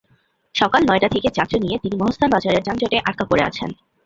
সকাল নয়টা থেকে যাত্রী নিয়ে তিনি মহাস্থান বাজারের যানজটে আটকা পড়ে আছেন।